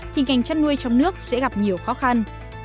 thì ngành chăn nuôi trong nước sẽ gặp nhiều khó khăn